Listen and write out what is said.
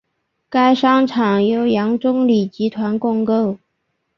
该商场由杨忠礼集团共构。